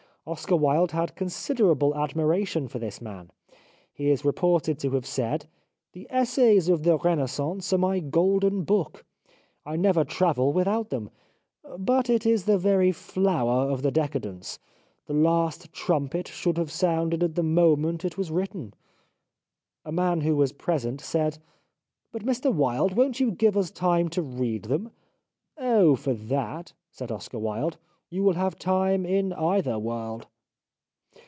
Oscar Wilde had considerable admiration for this man. He is reported to have said :" The Essays of the Renaissance are my Golden Book. I never travel without them. But it is the very flower of the Decadence. The last trum pet should have sounded at the moment it was written." A man who was present said :" But Mr Wilde, won't you give us time to read them ?"" Oh, for that," said Oscar Wilde, " you will have time in either world."